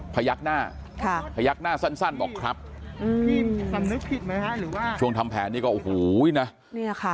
พยักหน้าพยักหน้าสั้นบอกครับช่วงทำแผนนี้ก็โอ้โหนี่ค่ะ